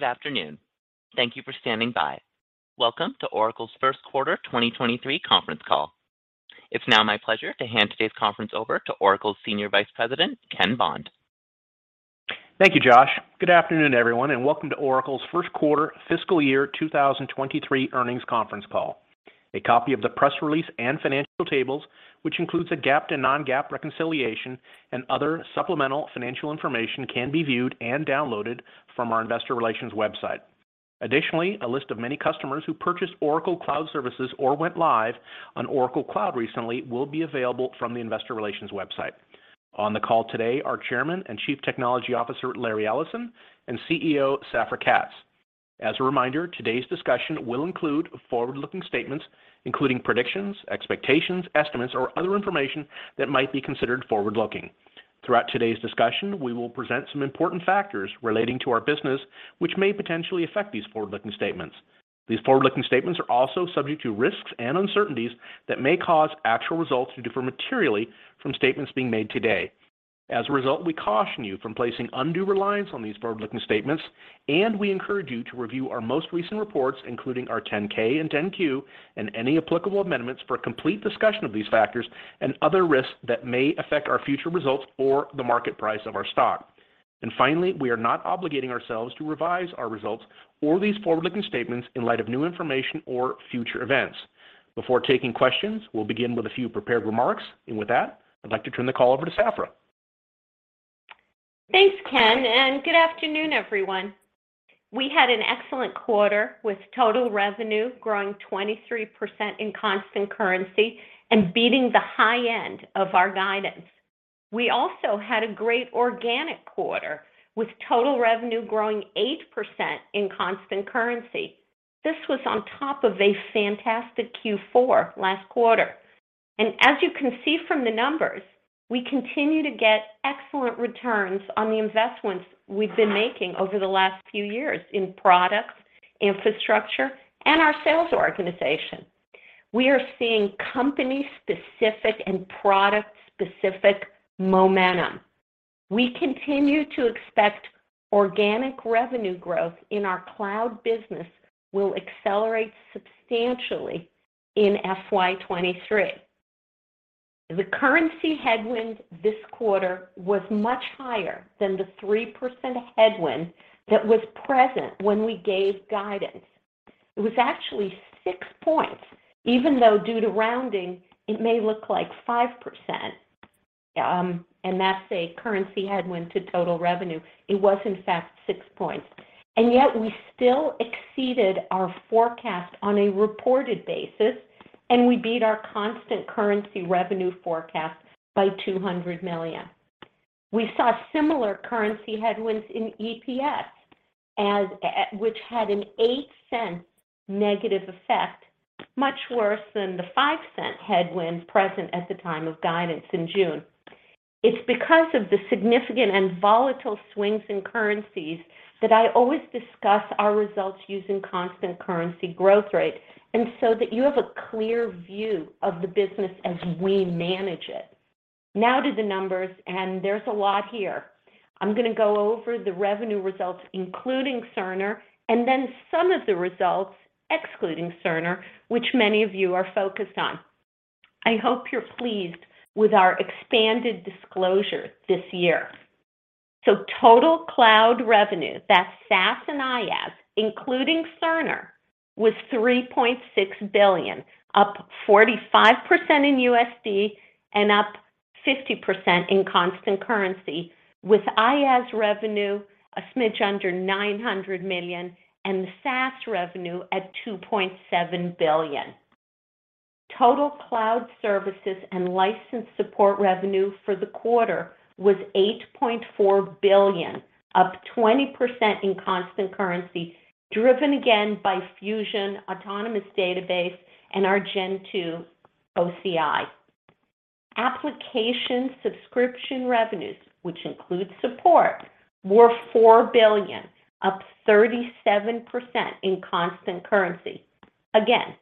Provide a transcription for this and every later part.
Good afternoon. Thank you for standing by. Welcome to Oracle's first quarter 2023 conference call. It's now my pleasure to hand today's conference over to Oracle's Senior Vice President, Ken Bond. Thank you, Josh. Good afternoon, everyone, and welcome to Oracle's first quarter fiscal year 2023 earnings conference call. A copy of the press release and financial tables, which includes a GAAP to non-GAAP reconciliation and other supplemental financial information can be viewed and downloaded from our investor relations website. Additionally, a list of many customers who purchased Oracle Cloud Services or went live on Oracle Cloud recently will be available from the investor relations website. On the call today are Chairman and Chief Technology Officer, Larry Ellison, and CEO, Safra Catz. As a reminder, today's discussion will include forward-looking statements, including predictions, expectations, estimates, or other information that might be considered forward-looking. Throughout today's discussion, we will present some important factors relating to our business, which may potentially affect these forward-looking statements. These forward-looking statements are also subject to risks and uncertainties that may cause actual results to differ materially from statements being made today. As a result, we caution you from placing undue reliance on these forward-looking statements, and we encourage you to review our most recent reports, including our 10-K and 10-Q and any applicable amendments for a complete discussion of these factors and other risks that may affect our future results or the market price of our stock. Finally, we are not obligating ourselves to revise our results or these forward-looking statements in light of new information or future events. Before taking questions, we'll begin with a few prepared remarks. With that, I'd like to turn the call over to Safra. Thanks, Ken, and good afternoon, everyone. We had an excellent quarter with total revenue growing 23% in constant currency and beating the high end of our guidance. We also had a great organic quarter with total revenue growing 8% in constant currency. This was on top of a fantastic Q4 last quarter. As you can see from the numbers, we continue to get excellent returns on the investments we've been making over the last few years in products, infrastructure, and our sales organization. We are seeing company-specific and product-specific momentum. We continue to expect organic revenue growth in our cloud business will accelerate substantially in FY 2023. The currency headwind this quarter was much higher than the 3% headwind that was present when we gave guidance. It was actually sixpoints, even though due to rounding, it may look like 5%, and that's a currency headwind to total revenue. It was, in fact, six points. Yet we still exceeded our forecast on a reported basis, and we beat our constant currency revenue forecast by $200 million. We saw similar currency headwinds in EPS as, which had an $0.08 negative effect, much worse than the $0.05 headwind present at the time of guidance in June. It's because of the significant and volatile swings in currencies that I always discuss our results using constant currency growth rate and so that you have a clear view of the business as we manage it. Now to the numbers, and there's a lot here. I'm going to go over the revenue results, including Cerner, and then some of the results excluding Cerner, which many of you are focused on. I hope you're pleased with our expanded disclosure this year. Total cloud revenue, that's SaaS and IaaS, including Cerner, was $3.6 billion, up 45% in USD and up 50% in constant currency, with IaaS revenue a smidge under $900 million and the SaaS revenue at $2.7 billion. Total cloud services and license support revenue for the quarter was $8.4 billion, up 20% in constant currency, driven again by Fusion, Autonomous Database, and our Gen 2 OCI. Application subscription revenues, which includes support, were $4 billion, up 37% in constant currency. Again,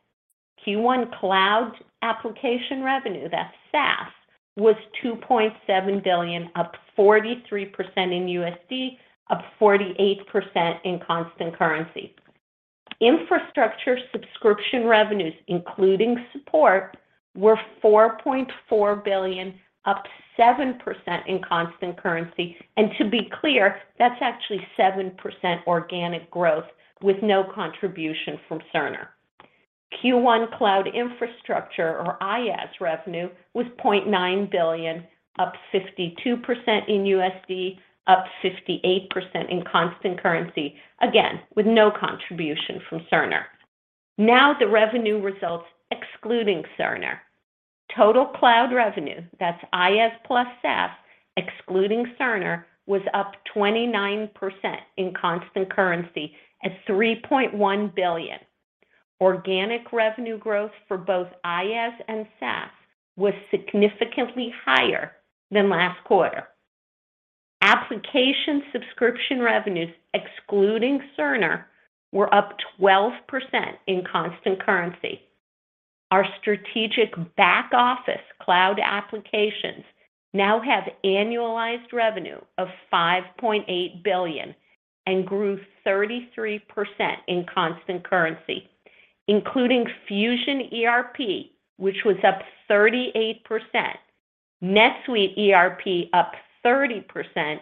Q1 cloud application revenue, that's SaaS, was $2.7 billion, up 43% in USD, up 48% in constant currency. Infrastructure subscription revenues, including support, were $4.4 billion, up 7% in constant currency. To be clear, that's actually 7% organic growth with no contribution from Cerner. Q1 cloud infrastructure or IaaS revenue was $0.9 billion, up 52% in USD, up 58% in constant currency, again, with no contribution from Cerner. Now the revenue results excluding Cerner. Total cloud revenue, that's IaaS plus SaaS, excluding Cerner, was up 29% in constant currency at $3.1 billion. Organic revenue growth for both IaaS and SaaS was significantly higher than last quarter. Application subscription revenues, excluding Cerner, were up 12% in constant currency. Our strategic back office cloud applications now have annualized revenue of $5.8 billion and grew 33% in constant currency, including Fusion ERP, which was up 38%, NetSuite ERP up 30%,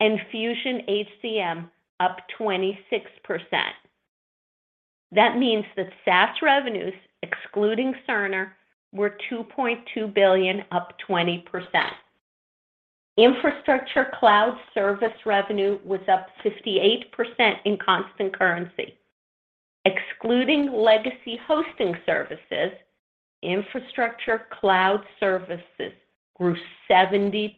and Fusion HCM up 26%. That means that SaaS revenues, excluding Cerner, were $2.2 billion, up 20%. Infrastructure cloud service revenue was up 58% in constant currency. Excluding legacy hosting services, infrastructure cloud services grew 70%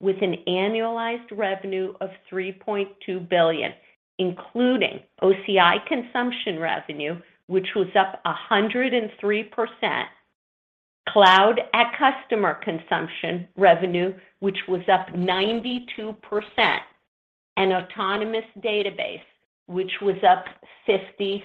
with an annualized revenue of $3.2 billion, including OCI consumption revenue, which was up 103%, Cloud at Customer consumption revenue, which was up 92%, and Autonomous Database, which was up 56%.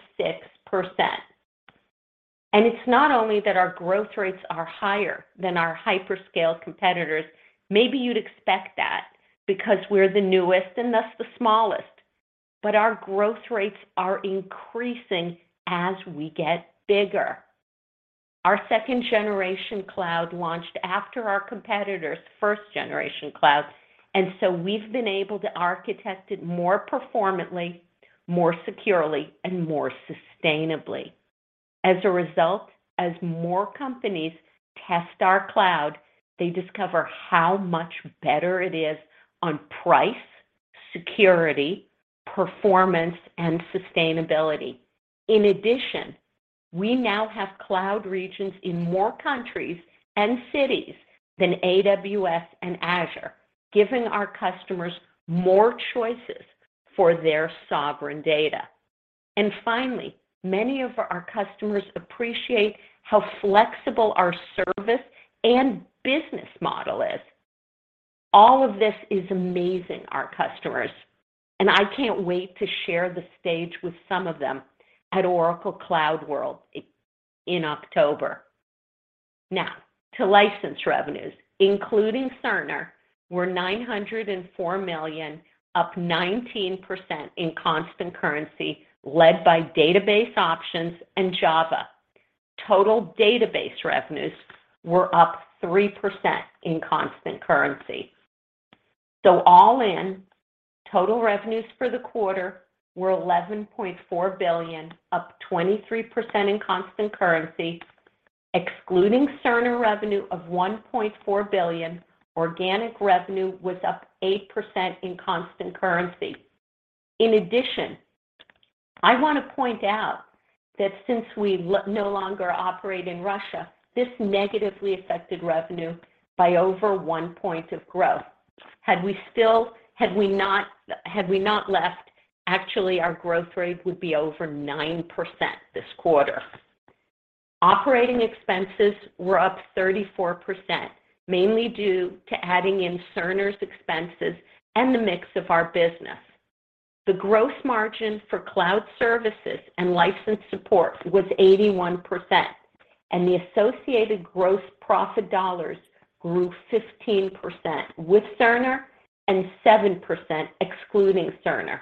It's not only that our growth rates are higher than our hyperscale competitors. Maybe you'd expect that because we're the newest and thus the smallest, but our growth rates are increasing as we get bigger. Our second generation cloud launched after our competitors' first generation cloud, and so we've been able to architect it more performantly, more securely, and more sustainably. As a result, as more companies test our cloud, they discover how much better it is on price, security, performance, and sustainability. In addition, we now have cloud regions in more countries and cities than AWS and Azure, giving our customers more choices for their sovereign data. Finally, many of our customers appreciate how flexible our service and business model is. All of this is amazing our customers, and I can't wait to share the stage with some of them at Oracle CloudWorld in October. Now, to license revenues, including Cerner, were $904 million, up 19% in constant currency, led by database options and Java. Total database revenues were up 3% in constant currency. All in, total revenues for the quarter were $11.4 billion, up 23% in constant currency. Excluding Cerner revenue of $1.4 billion, organic revenue was up 8% in constant currency. In addition, I want to point out that since we no longer operate in Russia, this negatively affected revenue by over one point of growth. Had we not left, actually our growth rate would be over 9% this quarter. Operating expenses were up 34%, mainly due to adding in Cerner's expenses and the mix of our business. The gross margin for cloud services and license support was 81%, and the associated gross profit dollars grew 15% with Cerner and 7% excluding Cerner.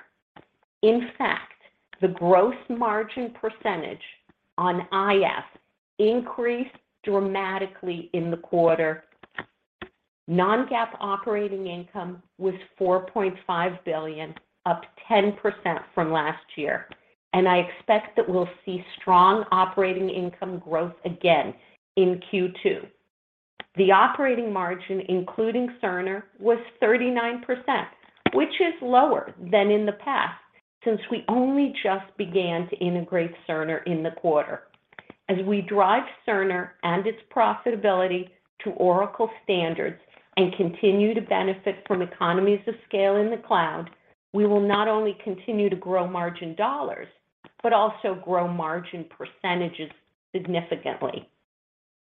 In fact, the gross margin percentage on IaaS increased dramatically in the quarter. Non-GAAP operating income was $4.5 billion, up 10% from last year, and I expect that we'll see strong operating income growth again in Q2. The operating margin, including Cerner, was 39%, which is lower than in the past since we only just began to integrate Cerner in the quarter. As we drive Cerner and its profitability to Oracle standards and continue to benefit from economies of scale in the cloud, we will not only continue to grow margin dollars, but also grow margin percentages significantly.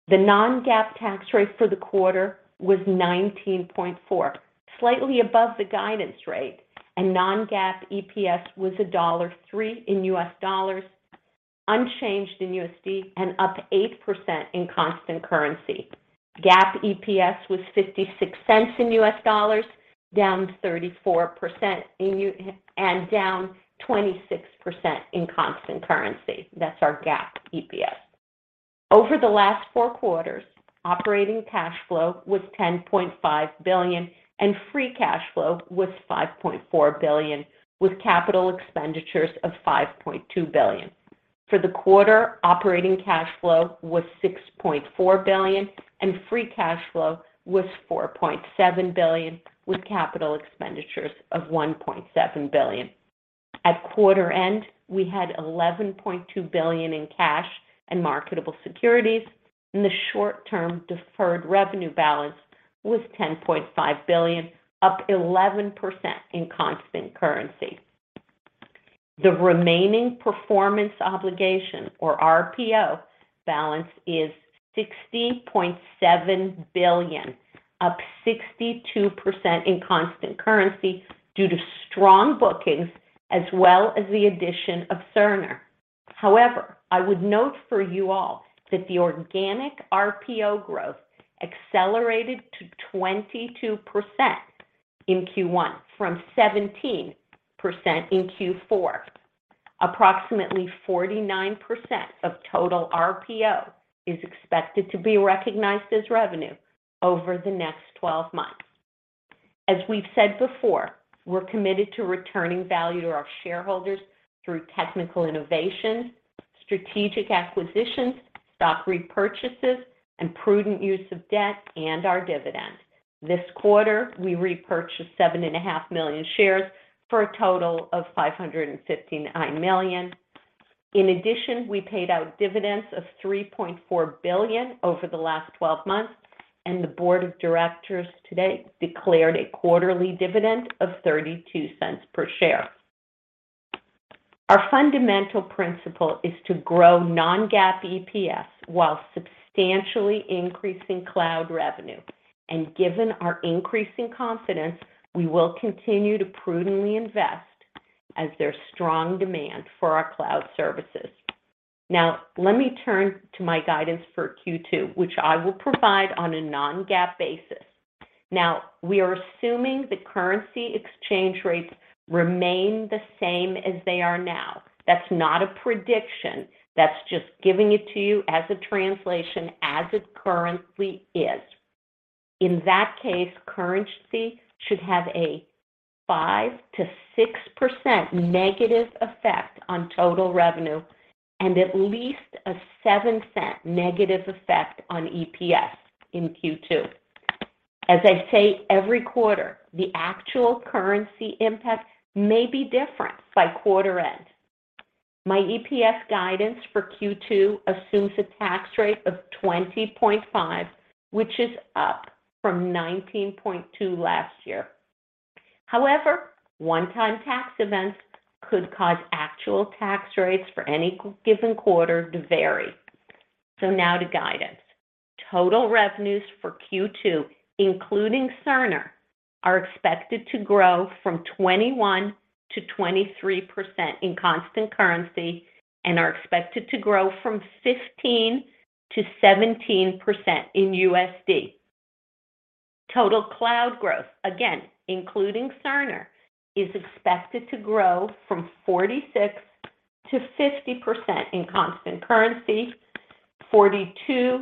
The non-GAAP tax rate for the quarter was 19.4%, slightly above the guidance rate, and non-GAAP EPS was $1.03 in US dollars, unchanged in USD, and up 8% in constant currency. GAAP EPS was $0.56 in US dollars, down 34%, and down 26% in constant currency. That's our GAAP EPS. Over the last four quarters, operating cash flow was $10.5 billion, and free cash flow was $5.4 billion, with capital expenditures of $5.2 billion. For the quarter, operating cash flow was $6.4 billion, and free cash flow was $4.7 billion, with capital expenditures of $1.7 billion. At quarter end, we had $11.2 billion in cash and marketable securities, and the short-term deferred revenue balance was $10.5 billion, up 11% in constant currency. The remaining performance obligation, or RPO, balance is $60.7 billion, up 62% in constant currency due to strong bookings as well as the addition of Cerner. However, I would note for you all that the organic RPO growth accelerated to 22% in Q1 from 17% in Q4. Approximately 49% of total RPO is expected to be recognized as revenue over the next 12 months. As we've said before, we're committed to returning value to our shareholders through technical innovation, strategic acquisitions, stock repurchases, and prudent use of debt and our dividend. This quarter, we repurchased 7.5 million shares for a total of $559 million. In addition, we paid out dividends of $3.4 billion over the last twelve months, and the board of directors today declared a quarterly dividend of $0.32 per share. Our fundamental principle is to grow non-GAAP EPS while substantially increasing cloud revenue. Given our increasing confidence, we will continue to prudently invest as there's strong demand for our cloud services. Now, let me turn to my guidance for Q2, which I will provide on a non-GAAP basis. Now, we are assuming the currency exchange rates remain the same as they are now. That's not a prediction. That's just giving it to you as a translation as it currently is. In that case, currency should have a 5%-6% negative effect on total revenue and at least a $0.07 negative effect on EPS in Q2. As I say every quarter, the actual currency impact may be different by quarter end. My EPS guidance for Q2 assumes a tax rate of 20.5%, which is up from 19.2% last year. However, one-time tax events could cause actual tax rates for any given quarter to vary. Now to guidance. Total revenues for Q2, including Cerner, are expected to grow from 21%-23% in constant currency and are expected to grow from 15%-17% in USD. Total cloud growth, again, including Cerner, is expected to grow from 46%-50% in constant currency, 42%-46%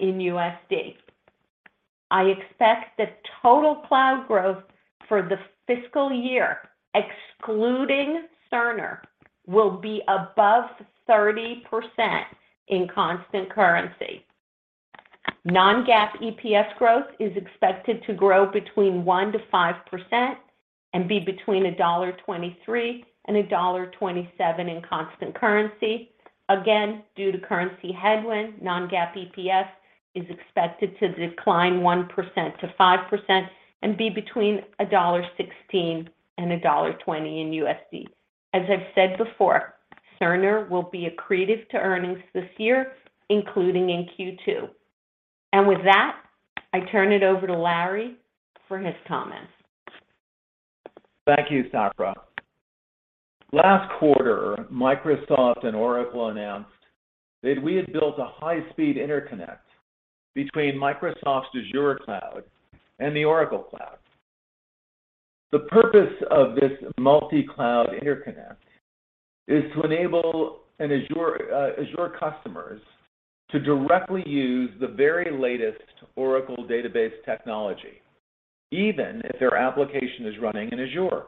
in USD. I expect that total cloud growth for the fiscal year, excluding Cerner, will be above 30% in constant currency. Non-GAAP EPS growth is expected to grow between 1%-5% and be between $1.23 and $1.27 in constant currency. Again, due to currency headwind, non-GAAP EPS is expected to decline 1%-5% and be between $1.16 and $1.20 in USD. As I've said before, Cerner will be accretive to earnings this year, including in Q2. With that, I turn it over to Larry for his comments. Thank you, Safra. Last quarter, Microsoft and Oracle announced that we had built a high-speed interconnect between Microsoft's Azure cloud and the Oracle cloud. The purpose of this multi-cloud interconnect is to enable Azure customers to directly use the very latest Oracle database technology, even if their application is running in Azure.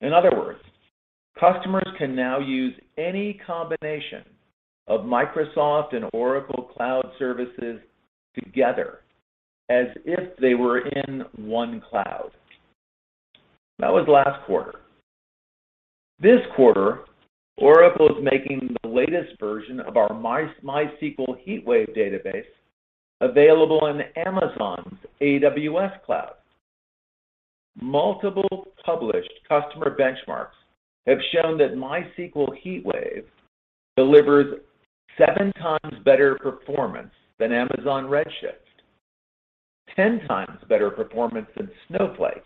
In other words, customers can now use any combination of Microsoft and Oracle cloud services together as if they were in one cloud. That was last quarter. This quarter, Oracle is making the latest version of our MySQL HeatWave database available on Amazon's AWS cloud. Multiple published customer benchmarks have shown that MySQL HeatWave delivers seven times better performance than Amazon Redshift, ten times better performance than Snowflake,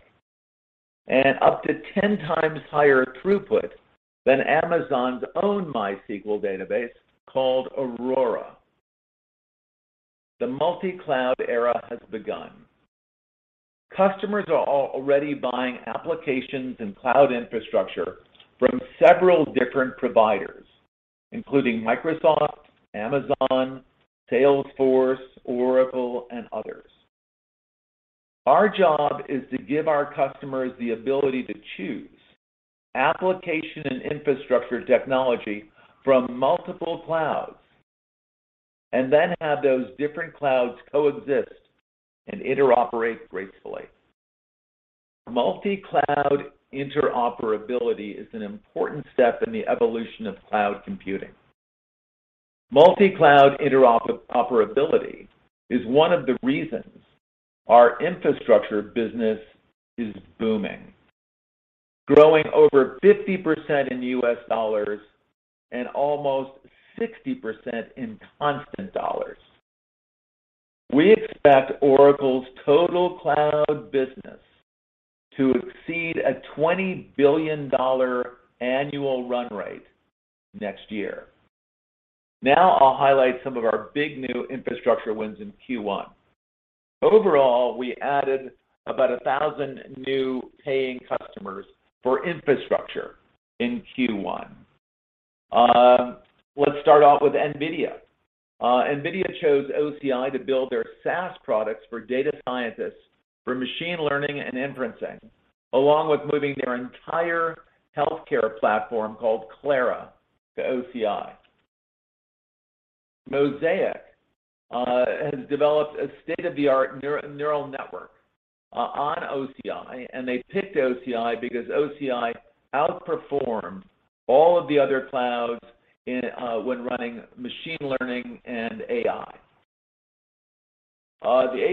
and up to ten times higher throughput than Amazon's own MySQL database called Aurora. The multi-cloud era has begun. Customers are already buying applications and cloud infrastructure from several different providers, including Microsoft, Amazon, Salesforce, Oracle, and others. Our job is to give our customers the ability to choose application and infrastructure technology from multiple clouds and then have those different clouds coexist and interoperate gracefully. Multi-cloud interoperability is an important step in the evolution of cloud computing. Multi-cloud interoperability is one of the reasons our infrastructure business is booming, growing over 50% in U.S. dollars and almost 60% in constant dollars. We expect Oracle's total cloud business to exceed a $20 billion annual run rate next year. Now I'll highlight some of our big new infrastructure wins in Q1. Overall, we added about 1,000 new paying customers for infrastructure in Q1. Let's start off with NVIDIA. NVIDIA chose OCI to build their SaaS products for data scientists for machine learning and inferencing, along with moving their entire healthcare platform called Clara to OCI. MosaicML has developed a state-of-the-art neural network on OCI, and they picked OCI because OCI outperformed all of the other clouds in when running machine learning and AI. The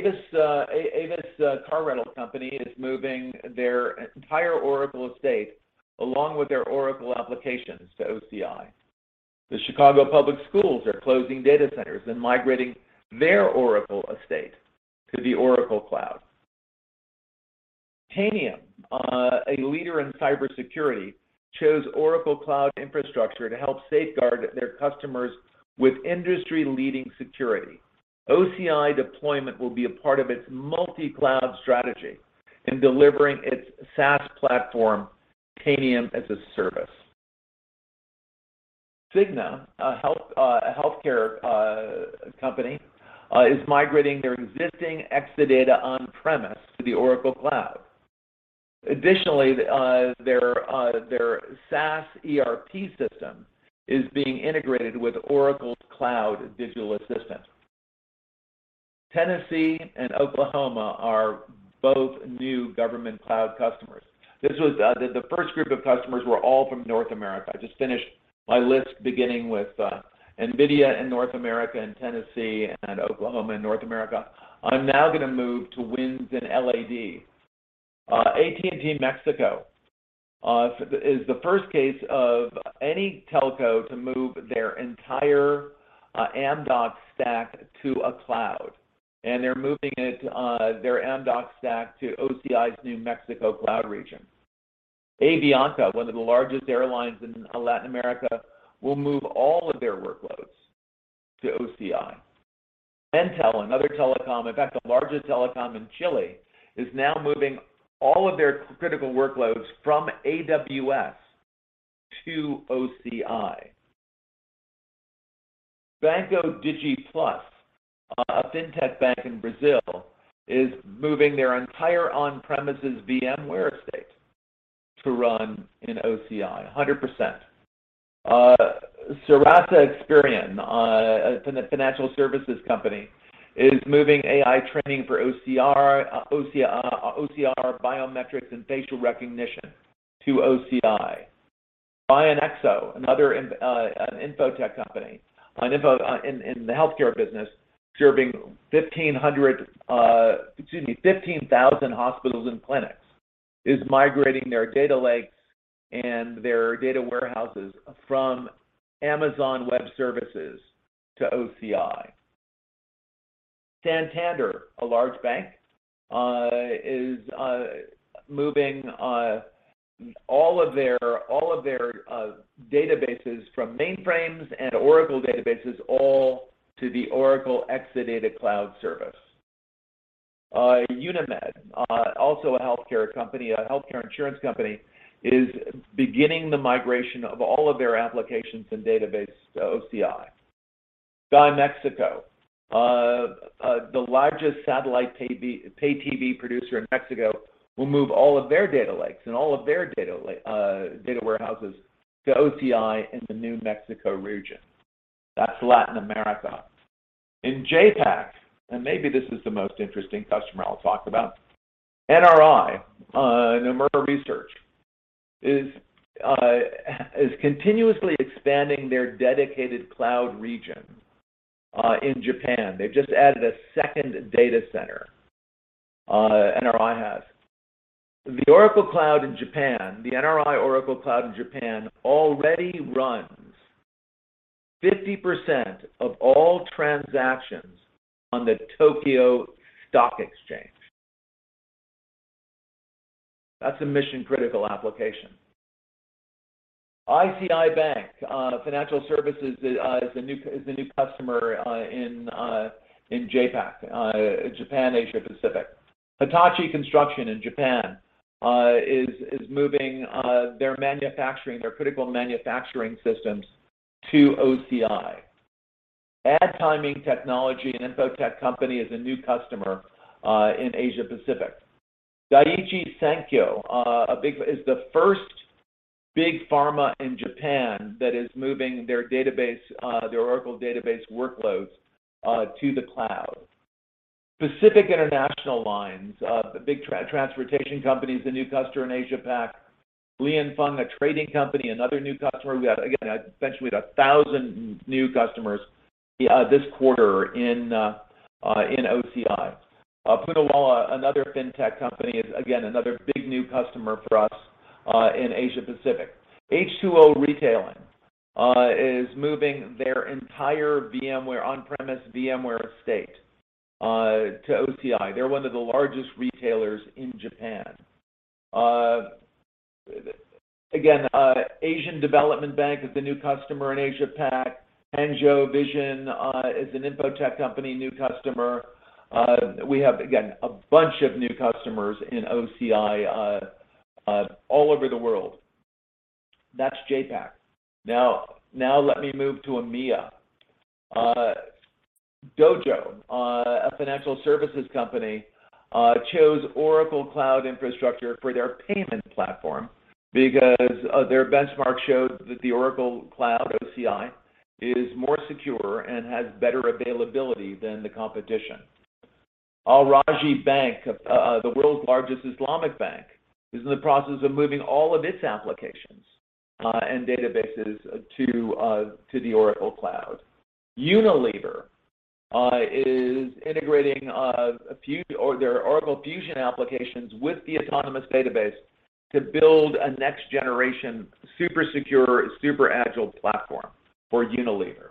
Avis car rental company is moving their entire Oracle estate along with their Oracle applications to OCI. The Chicago Public Schools are closing data centers and migrating their Oracle estate to the Oracle Cloud. Tanium, a leader in cybersecurity, chose Oracle Cloud Infrastructure to help safeguard their customers with industry-leading security. OCI deployment will be a part of its multi-cloud strategy in delivering its SaaS platform, Tanium as a service. Cigna, a healthcare company, is migrating their existing Exadata on-premise to the Oracle Cloud. Additionally, their SaaS ERP system is being integrated with Oracle's cloud digital assistant. Tennessee and Oklahoma are both new government cloud customers. This was the first group of customers were all from North America. I just finished my list beginning with NVIDIA in North America, and Tennessee and Oklahoma in North America. I'm now gonna move to wins in LAD. AT&T Mexico is the first case of any telco to move their entire Amdocs stack to a cloud, and they're moving their Amdocs stack to OCI's New Mexico cloud region. Avianca, one of the largest airlines in Latin America, will move all of their workloads to OCI. Entel, another telecom, in fact the largest telecom in Chile, is now moving all of their critical workloads from AWS to OCI. Banco Digi+, a fintech bank in Brazil, is moving their entire on-premises VMware estate to run in OCI, 100%. Serasa Experian, a financial services company, is moving AI training for OCR biometrics and facial recognition to OCI. Bionexo, another infotech company in the healthcare business, serving 15,000 hospitals and clinics, is migrating their data lakes and their data warehouses from Amazon Web Services to OCI. Santander, a large bank, is moving all of their databases from mainframes and Oracle databases all to the Oracle Exadata Cloud Service. Unimed, also a healthcare company, a healthcare insurance company, is beginning the migration of all of their applications and database to OCI. Sky México, the largest satellite pay TV producer in Mexico, will move all of their data lakes and all of their data warehouses to OCI in the Mexico region. That's Latin America. In JAPAC, and maybe this is the most interesting customer I'll talk about, NRI, Nomura Research Institute, is continuously expanding their dedicated cloud region, in Japan. They've just added a second data center, NRI has. The Oracle Cloud in Japan, the NRI Oracle Cloud in Japan already runs 50% of all transactions on the Tokyo Stock Exchange. That's a mission-critical application. ICICI Bank Financial Services is a new customer in JAPAC, Japan, Asia Pacific. Hitachi Construction Machinery in Japan is moving their critical manufacturing systems to OCI. AdTiming Technology, an infotech company, is a new customer in Asia Pacific. Daiichi Sankyo is the first big pharma in Japan that is moving their Oracle Database workloads to the cloud. Pacific International Lines, a big transportation company, is a new customer in Asia Pac. Li & Fung, a trading company, another new customer. We got again essentially 1,000 new customers this quarter in OCI. Pundi X, another fintech company, is again another big new customer for us in Asia Pacific. H2O Retailing is moving their entire on-premise VMware estate to OCI. They're one of the largest retailers in Japan. Again, Asian Development Bank is a new customer in Asia Pac. Hikvision is an infotech company, new customer. We have, again, a bunch of new customers in OCI all over the world. That's JAPAC. Now let me move to EMEA. Dojo, a financial services company, chose Oracle Cloud Infrastructure for their payment platform because their benchmark showed that the Oracle Cloud, OCI, is more secure and has better availability than the competition. Al Rajhi Bank, the world's largest Islamic bank, is in the process of moving all of its applications and databases to the Oracle Cloud. Unilever is integrating a few of their Oracle Fusion applications with the Autonomous Database to build a next-generation, super secure, super agile platform for Unilever.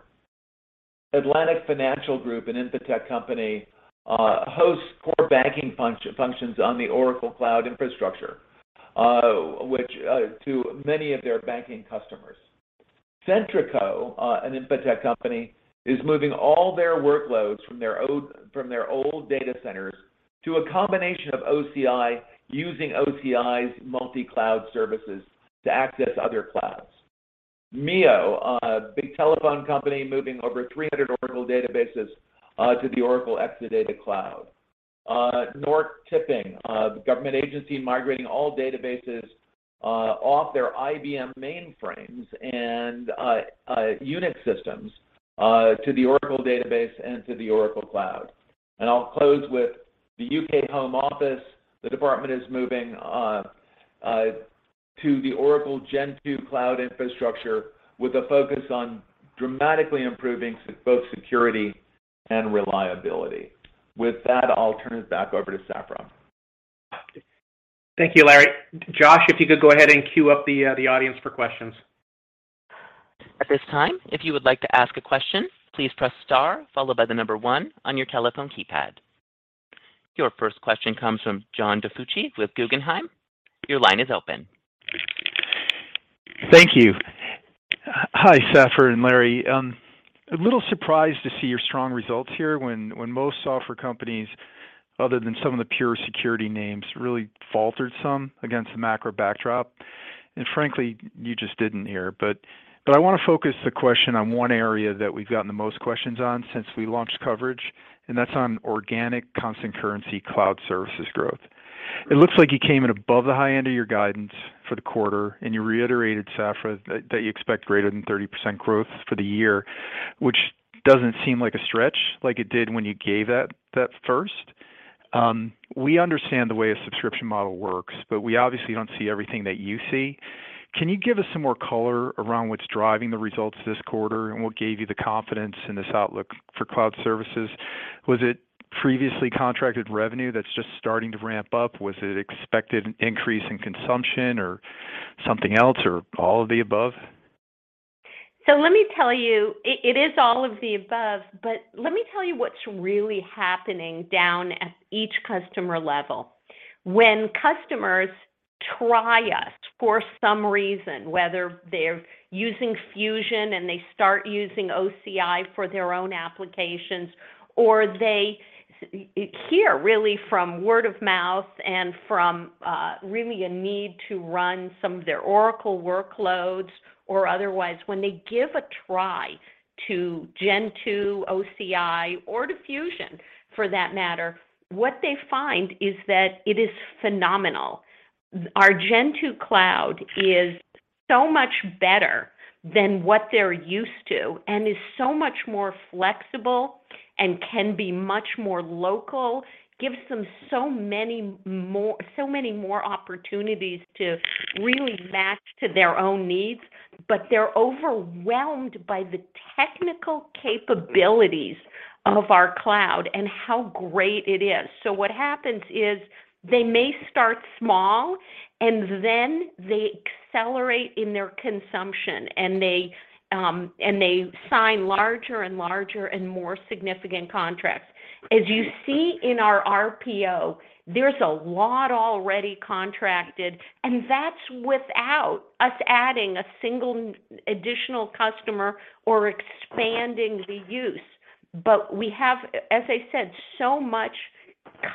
Atlantic Financial Group, an infotech company, hosts core banking functions on the Oracle Cloud Infrastructure, which to many of their banking customers. Centrica, an infotech company, is moving all their workloads from their from their old data centers to a combination of OCI using OCI's multi-cloud services to access other clouds. MEO, a big telephone company, moving over 300 Oracle databases to the Oracle Exadata Cloud. Norsk Tipping, the government agency migrating all databases off their IBM mainframes and Unix systems to the Oracle database and to the Oracle Cloud. I'll close with the UK Home Office. The department is moving to the Oracle Gen 2 Cloud infrastructure with a focus on dramatically improving both security and reliability. With that, I'll turn it back over to Safra. Thank you, Larry. Josh, if you could go ahead and queue up the audience for questions. At this time, if you would like to ask a question, please press star followed by the number one on your telephone keypad. Your first question comes from John DiFucci with Guggenheim. Your line is open. Thank you. Hi, Safra and Larry. A little surprised to see your strong results here when most software companies, other than some of the pure security names, really faltered some against the macro backdrop. Frankly, you just didn't here. I wanna focus the question on one area that we've gotten the most questions on since we launched coverage, and that's on organic constant currency cloud services growth. It looks like you came in above the high end of your guidance for the quarter, and you reiterated, Safra, that you expect greater than 30% growth for the year, which doesn't seem like a stretch like it did when you gave that first. We understand the way a subscription model works, but we obviously don't see everything that you see. Can you give us some more color around what's driving the results this quarter and what gave you the confidence in this outlook for cloud services? Was it previously contracted revenue that's just starting to ramp up? Was it expected increase in consumption or something else or all of the above? Let me tell you, it is all of the above, but let me tell you what's really happening down at each customer level. When customers try us for some reason, whether they're using Fusion and they start using OCI for their own applications, or they hear really from word of mouth and from really a need to run some of their Oracle workloads or otherwise, when they give a try to Gen 2 OCI or to Fusion for that matter, what they find is that it is phenomenal. Our Gen 2 Cloud is so much better than what they're used to and is so much more flexible and can be much more local, gives them so many more opportunities to really match to their own needs. But they're overwhelmed by the technical capabilities of our cloud and how great it is. What happens is they may start small, and then they accelerate in their consumption, and they sign larger and larger and more significant contracts. As you see in our RPO, there's a lot already contracted, and that's without us adding a single additional customer or expanding the use. We have, as I said, so much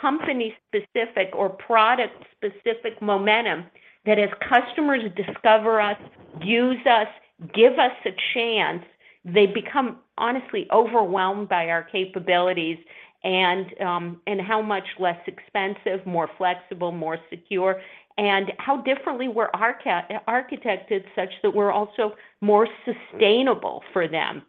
company-specific or product-specific momentum that as customers discover us, use us, give us a chance, they become, honestly, overwhelmed by our capabilities and how much less expensive, more flexible, more secure, and how differently we're architected such that we're also more sustainable for them.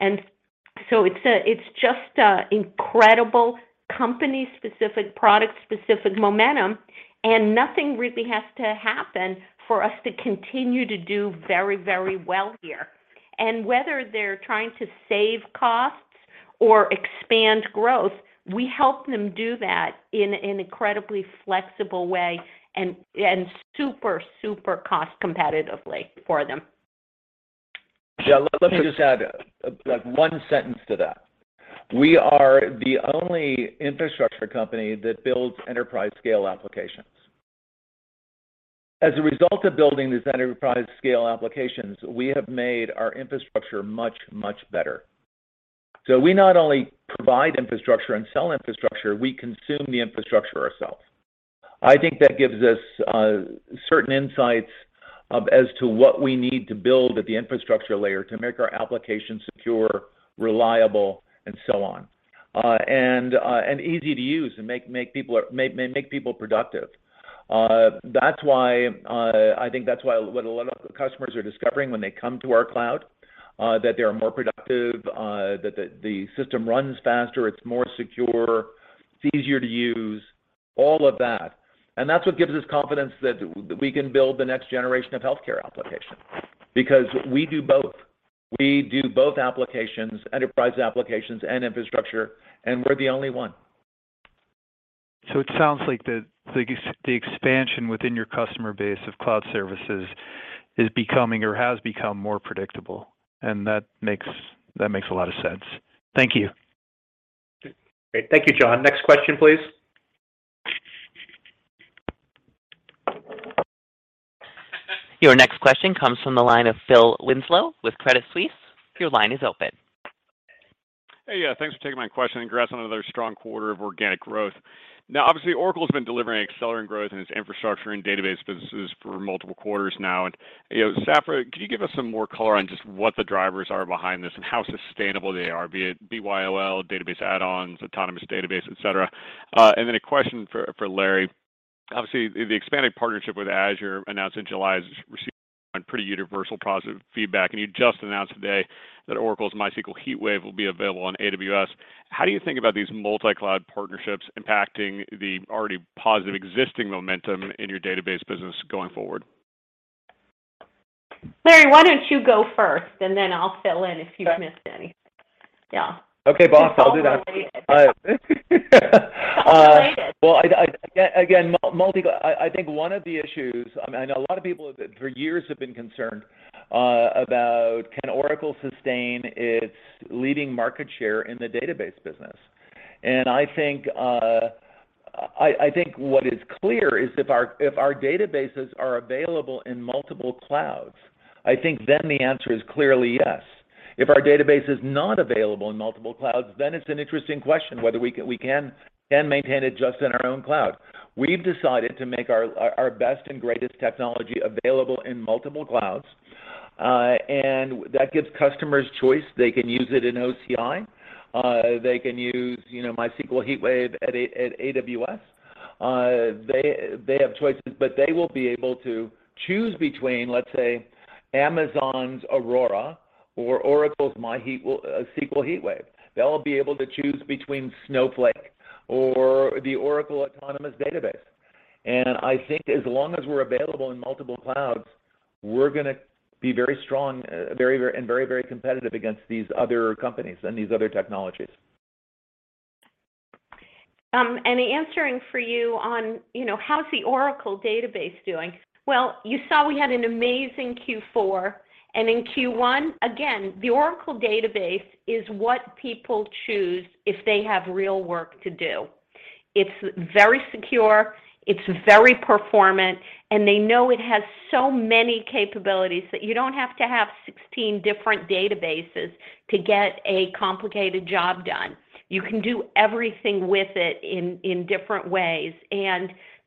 It's just an incredible company-specific, product-specific momentum, and nothing really has to happen for us to continue to do very, very well here. Whether they're trying to save costs or expand growth, we help them do that in an incredibly flexible way and super cost competitively for them. Let me just add, like, one sentence to that. We are the only infrastructure company that builds enterprise scale applications. As a result of building these enterprise scale applications, we have made our infrastructure much better. We not only provide infrastructure and sell infrastructure, we consume the infrastructure ourselves. I think that gives us certain insights as to what we need to build at the infrastructure layer to make our application secure, reliable, and so on, and easy to use and make people productive. That's why I think that's why what a lot of customers are discovering when they come to our cloud, that they are more productive, that the system runs faster, it's more secure, it's easier to use, all of that. That's what gives us confidence that we can build the next generation of healthcare applications because we do both. We do both applications, enterprise applications and infrastructure, and we're the only one. It sounds like the expansion within your customer base of cloud services is becoming or has become more predictable, and that makes a lot of sense. Thank you. Great. Thank you, John. Next question, please. Your next question comes from the line of Phil Winslow with Credit Suisse. Your line is open. Hey. Yeah, thanks for taking my question. Congrats on another strong quarter of organic growth. Now, obviously, Oracle has been delivering accelerated growth in its infrastructure and database businesses for multiple quarters now. You know, Safra, can you give us some more color on just what the drivers are behind this and how sustainable they are, be it BYOL, database add-ons, Autonomous Database, et cetera? A question for Larry. Obviously, the expanded partnership with Azure announced in July has received pretty universal positive feedback, and you just announced today that Oracle's MySQL HeatWave will be available on AWS. How do you think about these multi-cloud partnerships impacting the already positive existing momentum in your database business going forward? Larry, why don't you go first, and then I'll fill in if you've missed anything? Yeah. Okay, boss. I'll do that. It's all related. Uh- It's all related. I think one of the issues, I mean, I know a lot of people for years have been concerned about can Oracle sustain its leading market share in the database business. I think what is clear is if our databases are available in multiple clouds, I think then the answer is clearly yes. If our database is not available in multiple clouds, then it's an interesting question whether we can maintain it just in our own cloud. We've decided to make our best and greatest technology available in multiple clouds. That gives customers choice. They can use it in OCI. They can use, you know, MySQL HeatWave at AWS. They have choices, but they will be able to choose between, let's say, Amazon's Aurora or Oracle's MySQL HeatWave. They'll be able to choose between Snowflake or the Oracle Autonomous Database. I think as long as we're available in multiple clouds, we're gonna be very strong, and very, very competitive against these other companies and these other technologies. Answering for you on, you know, how's the Oracle Database doing? Well, you saw we had an amazing Q4. In Q1, again, the Oracle Database is what people choose if they have real work to do. It's very secure, it's very performant, and they know it has so many capabilities that you don't have to have 16 different databases to get a complicated job done. You can do everything with it in different ways.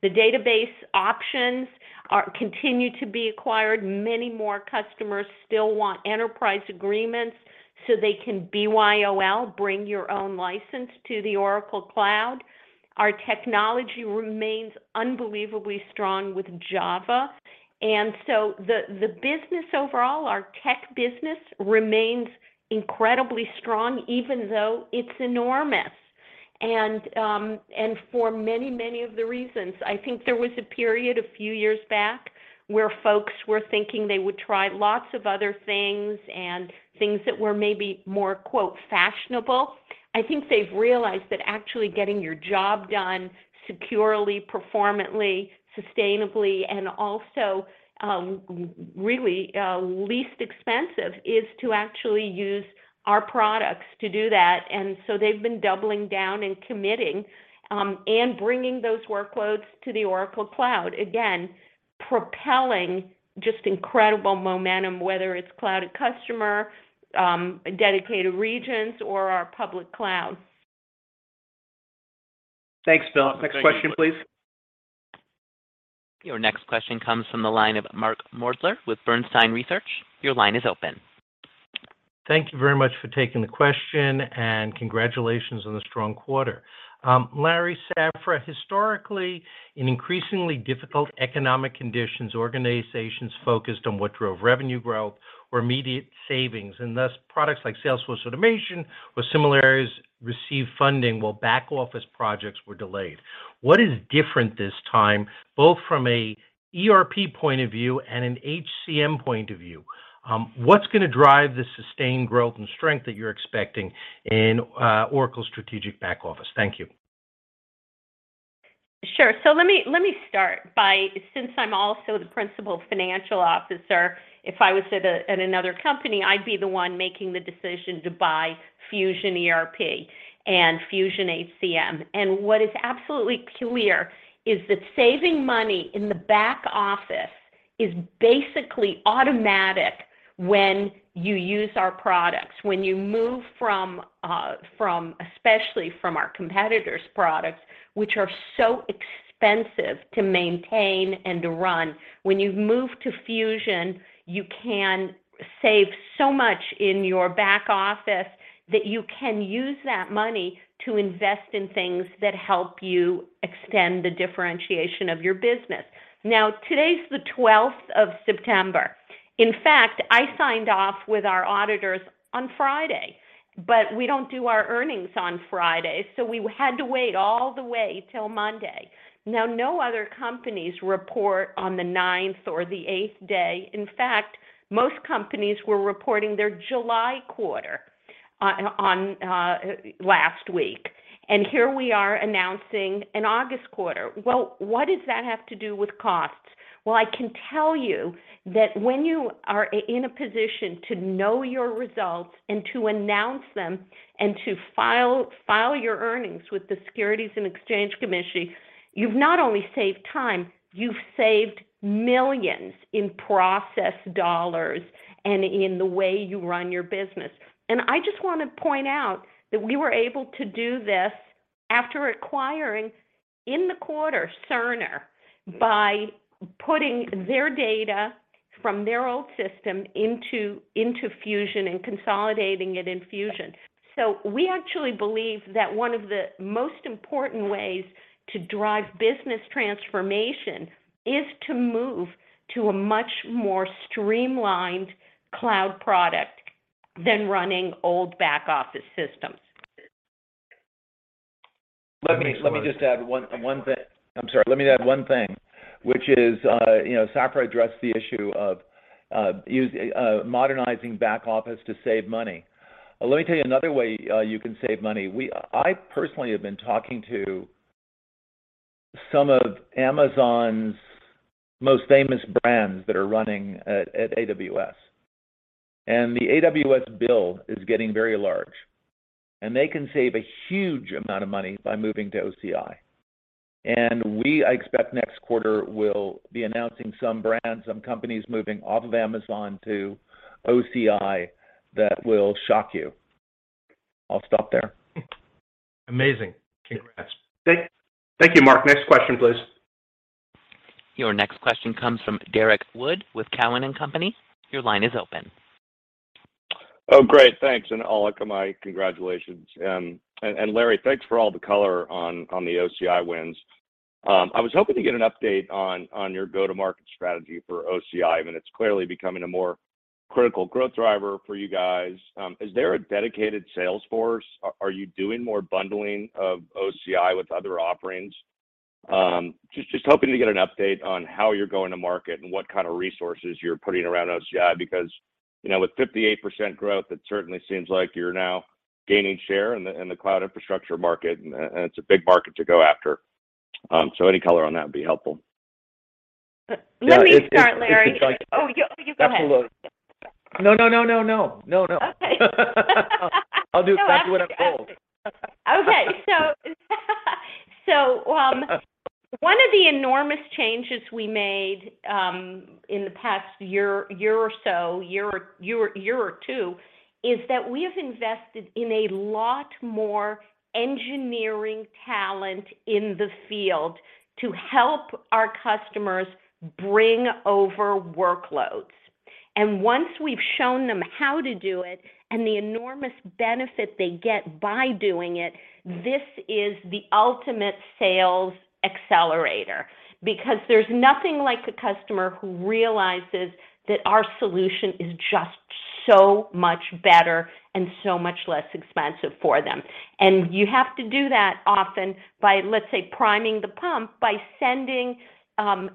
The database options are continue to be acquired. Many more customers still want enterprise agreements so they can BYOL, bring your own license, to the Oracle Cloud. Our technology remains unbelievably strong with Java. The business overall, our tech business remains incredibly strong even though it's enormous. For many, many of the reasons, I think there was a period a few years back where folks were thinking they would try lots of other things and things that were maybe more, quote, "fashionable." I think they've realized that actually getting your job done securely, performantly, sustainably, and also, really, least expensive is to actually use our products to do that. They've been doubling down and committing, and bringing those workloads to the Oracle Cloud, again, propelling just incredible momentum, whether it's cloud customer, dedicated regions, or our public cloud. Thanks, Phil. Next question, please. Your next question comes from the line of Mark Moerdler with Bernstein Research. Your line is open. Thank you very much for taking the question, and congratulations on the strong quarter. Larry, Safra, historically, in increasingly difficult economic conditions, organizations focused on what drove revenue growth or immediate savings, and thus products like Salesforce automation or similar areas receive funding while back office projects were delayed. What is different this time, both from a ERP point of view and an HCM point of view? What's going to drive the sustained growth and strength that you're expecting in Oracle strategic back office? Thank you. Sure. Let me start by, since I'm also the principal financial officer, if I was at another company, I'd be the one making the decision to buy Fusion ERP and Fusion HCM. What is absolutely clear is that saving money in the back office is basically automatic when you use our products. When you move from, especially from our competitors' products, which are so expensive to maintain and to run. When you move to Fusion, you can save so much in your back office that you can use that money to invest in things that help you extend the differentiation of your business. Now, today's the 12th of September. In fact, I signed off with our auditors on Friday, but we don't do our earnings on Friday, so we had to wait all the way till Monday. Now, no other companies report on the 9th or the 8th day. In fact, most companies were reporting their July quarter last week. Here we are announcing an August quarter. Well, what does that have to do with costs? Well, I can tell you that when you are in a position to know your results and to announce them and to file your earnings with the Securities and Exchange Commission, you've not only saved time, you've saved millions in process dollars and in the way you run your business. I just want to point out that we were able to do this after acquiring, in the quarter, Cerner, by putting their data from their old system into Fusion and consolidating it in Fusion. We actually believe that one of the most important ways to drive business transformation is to move to a much more streamlined cloud product than running old back office systems. Let me just add one thing. I'm sorry, which is, you know, Safra addressed the issue of us modernizing back office to save money. Let me tell you another way you can save money. I personally have been talking to some of Amazon's most famous brands that are running at AWS, and the AWS bill is getting very large, and they can save a huge amount of money by moving to OCI. I expect next quarter, we will be announcing some brands, some companies moving off of Amazon to OCI that will shock you. I'll stop there. Amazing. Congrats. Thank you, Mark. Next question, please. Your next question comes from Derrick Wood with Cowen and Company. Your line is open. Oh, great. Thanks. All of you, congratulations. Larry, thanks for all the color on the OCI wins. I was hoping to get an update on your go-to-market strategy for OCI. I mean, it's clearly becoming a more critical growth driver for you guys. Is there a dedicated sales force? Are you doing more bundling of OCI with other offerings? Just hoping to get an update on how you're going to market and what kind of resources you're putting around OCI because, you know, with 58% growth, it certainly seems like you're now gaining share in the cloud infrastructure market and it's a big market to go after. Any color on that would be helpful. Let me start, Larry. Yeah, it's exciting. Oh, you go ahead. Absolutely. No. Okay. I'll do exactly what I'm told. Okay. One of the enormous changes we made in the past year or so or two is that we have invested in a lot more engineering talent in the field to help our customers bring over workloads. Once we've shown them how to do it and the enormous benefit they get by doing it, this is the ultimate sales accelerator because there's nothing like a customer who realizes that our solution is just so much better and so much less expensive for them. You have to do that often by, let's say, priming the pump by sending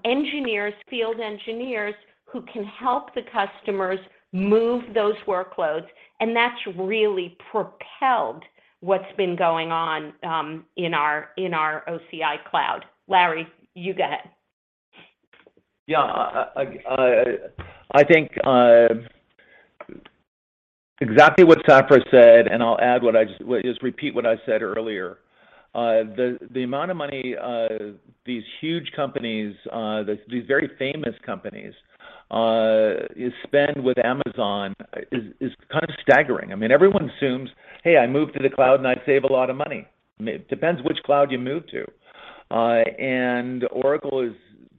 engineers, field engineers, who can help the customers move those workloads, and that's really propelled what's been going on in our OCI cloud. Larry, you go ahead. Yeah. I think exactly what Safra said, and I'll repeat what I said earlier. The amount of money these huge companies, these very famous companies spend with Amazon is kind of staggering. I mean, everyone assumes, "Hey, I move to the cloud, and I save a lot of money." I mean, it depends which cloud you move to. Oracle is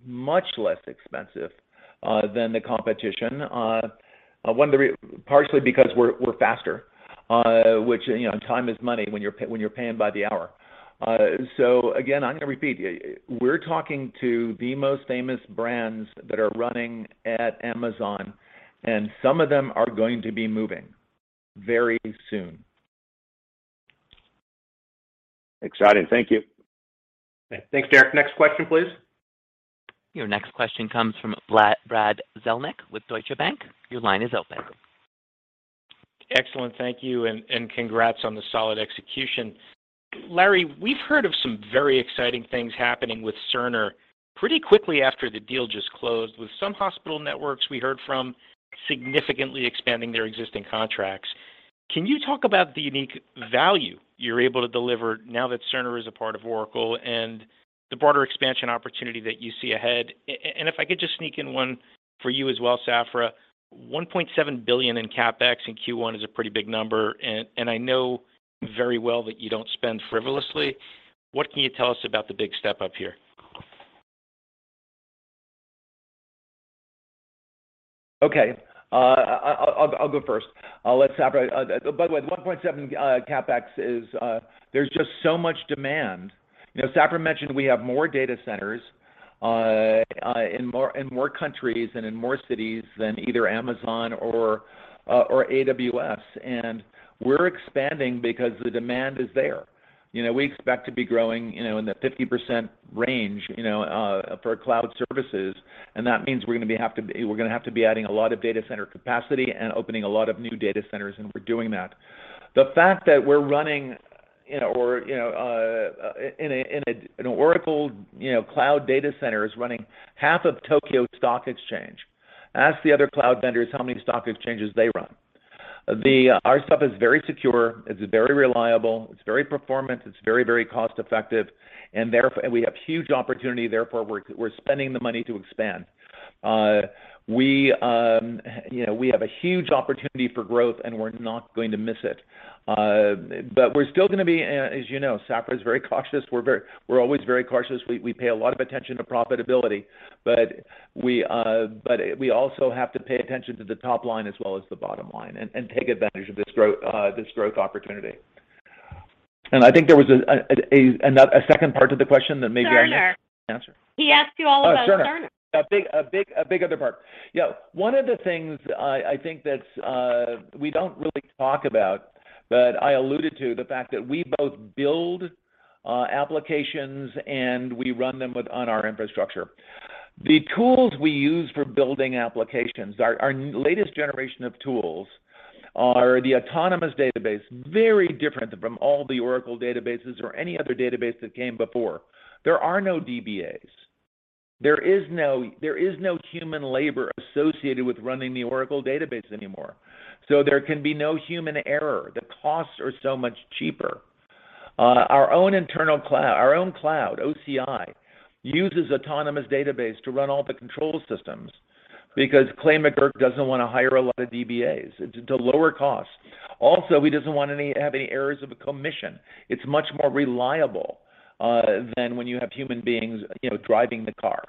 much less expensive than the competition, partially because we're faster, which, you know, time is money when you're paying by the hour. Again, I'm going to repeat, we're talking to the most famous brands that are running at Amazon, and some of them are going to be moving very soon. Exciting. Thank you. Okay, thanks, Derrick. Next question, please. Your next question comes from Brad Zelnick with Deutsche Bank. Your line is open. Excellent. Thank you, and congrats on the solid execution. Larry, we've heard of some very exciting things happening with Cerner pretty quickly after the deal just closed, with some hospital networks we heard from significantly expanding their existing contracts. Can you talk about the unique value you're able to deliver now that Cerner is a part of Oracle and the broader expansion opportunity that you see ahead? If I could just sneak in one for you as well, Safra, $1.7 billion in CapEx in Q1 is a pretty big number, and I know very well that you don't spend frivolously. What can you tell us about the big step-up here? Okay. I'll go first. I'll let Safra. By the way, the $1.7 CapEx is there's just so much demand. You know, Safra mentioned we have more data centers in more countries and in more cities than either Amazon or AWS. We're expanding because the demand is there. You know, we expect to be growing in the 50% range for cloud services, and that means we're gonna have to be adding a lot of data center capacity and opening a lot of new data centers, and we're doing that. The fact that we're running in an Oracle cloud data center is running half of Tokyo Stock Exchange. Ask the other cloud vendors how many stock exchanges they run. Our stuff is very secure, it's very reliable, it's very, very cost-effective, and therefore and we have huge opportunity, therefore, we're spending the money to expand. You know, we have a huge opportunity for growth, and we're not going to miss it. But we're still gonna be, as you know, Safra is very cautious. We're always very cautious. We pay a lot of attention to profitability, but we also have to pay attention to the top line as well as the bottom line and take advantage of this growth opportunity. I think there was a second part to the question that maybe I didn't answer. Cerner. He asked you all about Cerner. Oh, Cerner. A big other part. Yeah, one of the things I think that we don't really talk about, but I alluded to the fact that we both build applications and we run them on our infrastructure. The tools we use for building applications, our latest generation of tools are the Autonomous Database, very different from all the Oracle Databases or any other database that came before. There are no DBAs. There is no human labor associated with running the Oracle Database anymore. So there can be no human error. The costs are so much cheaper. Our own internal cloud, OCI, uses Autonomous Database to run all the control systems because Clay Magouyrk doesn't wanna hire a lot of DBAs. It's a lower cost. Also, he doesn't want any errors of commission. It's much more reliable than when you have human beings, you know, driving the car.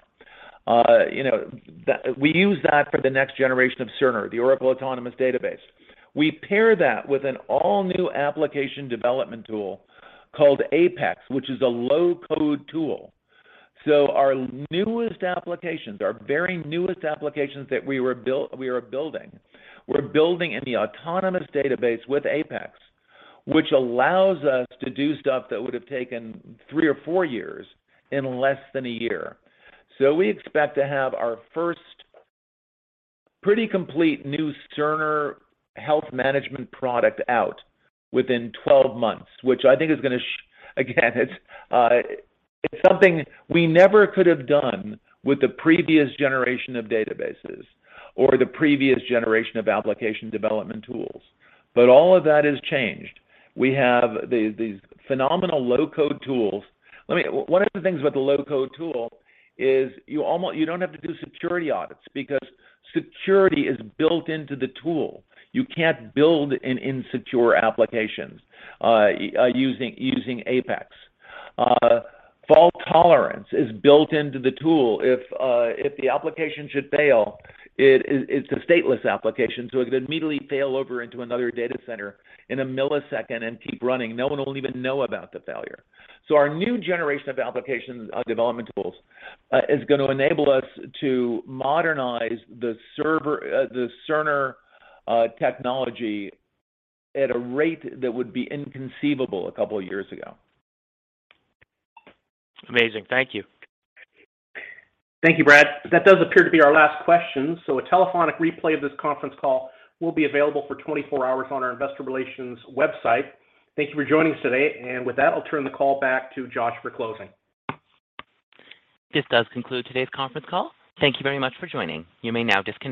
We use that for the next generation of Cerner, the Oracle Autonomous Database. We pair that with an all-new application development tool called APEX, which is a low-code tool. Our newest applications, our very newest applications that we are building in the Autonomous Database with APEX, which allows us to do stuff that would have taken three or four years in less than a year. We expect to have our first pretty complete new Cerner Health Management product out within 12 months, which I think is gonna. Again, it's something we never could have done with the previous generation of databases or the previous generation of application development tools. All of that has changed. We have these phenomenal low-code tools. Let me. One of the things with the low-code tool is you don't have to do security audits because security is built into the tool. You can't build an insecure application using APEX. Fault tolerance is built into the tool. If the application should fail, it's a stateless application, so it could immediately fail over into another data center in a millisecond and keep running. No one will even know about the failure. Our new generation of application development tools is gonna enable us to modernize the Cerner technology at a rate that would be inconceivable a couple of years ago. Amazing. Thank you. Thank you, Brad. That does appear to be our last question. A telephonic replay of this conference call will be available for 24 hours on our investor relations website. Thank you for joining us today. With that, I'll turn the call back to Josh for closing. This does conclude today's conference call. Thank you very much for joining. You may now disconnect.